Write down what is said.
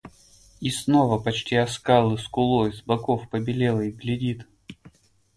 И снова почти о скалы скулой, с боков побелелой глядит.